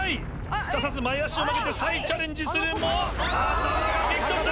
すかさず前脚を曲げて再チャレンジするも頭が激突！